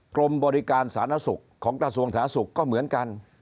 กรมบริการสานะสุขของตระสวงสานะสุขก็เหมือนกัน